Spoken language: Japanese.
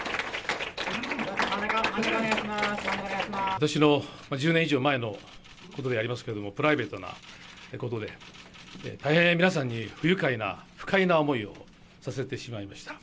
私の１０年以上前のプライベートなこと、大変皆さんに不愉快な、不快な思いをさせてしまいました。